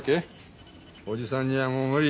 おじさんにはもう無理。